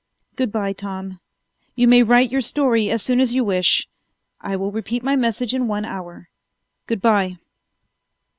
Good by, Tom. You may write your story as soon as you wish. I will repeat my message in one hour. Good by!"